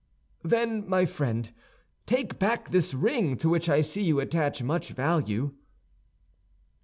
"Then, my friend, take back this ring, to which I see you attach much value."